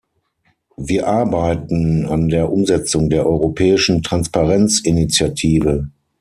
Wir arbeiten an der Umsetzung der Europäischen Transparenzinitiative.